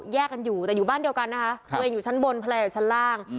แยกกันอยู่แต่อยู่บ้านเดียวกันนะคะตัวเองอยู่ชั้นบนภรรยาอยู่ชั้นล่าง